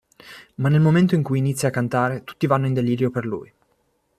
Ma nel momento in cui inizia a cantare tutti vanno in delirio per lui.